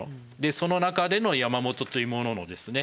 その中での山本というもののですね